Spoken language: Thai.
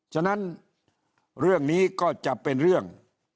ฉะนั้นเรื่องนี้ก็จะเป็นเรื่อง